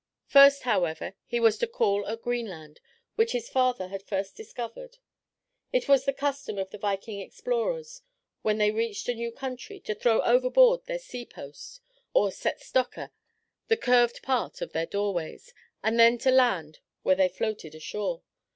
First, however, he was to call at Greenland, which his father had first discovered. It was the custom of the Viking explorers, when they reached a new country, to throw overboard their "seat posts," or setstokka, the curved part of their doorways, and then to land where they floated ashore.